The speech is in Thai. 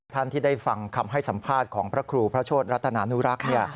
ท่านที่ได้ฟังคำให้สัมภาษณ์ของพระครูพระโชธรัตนานุรักษ์